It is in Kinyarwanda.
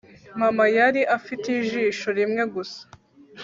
mama yari afite ijisho rimwe gusa